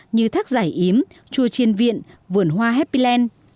như thác giải yếm chùa chiên viện vườn hoa happy land